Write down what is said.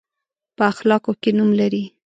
په اخلاقو کې نوم لري.